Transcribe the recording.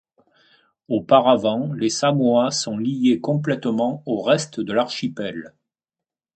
Auparavant, les Samoa sont liées complètement au reste de l'archipel.